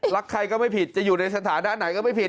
รักใครก็ไม่ผิดจะอยู่ในสถานะไหนก็ไม่ผิด